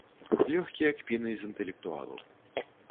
Лёгкія кпіны з інтэлектуалаў.